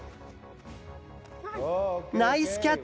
ナイスキャッチ！